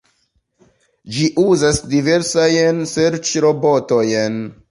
Ĝi uzas diversajn serĉrobotojn.